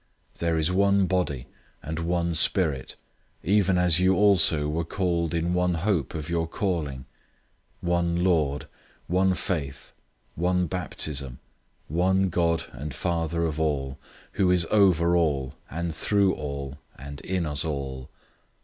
004:004 There is one body, and one Spirit, even as you also were called in one hope of your calling; 004:005 one Lord, one faith, one baptism, 004:006 one God and Father of all, who is over all, and through all, and in us all.